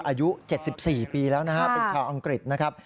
อายุ๗๔ปีแล้วนะฮะเป็นชาวอังกฤษนะครับ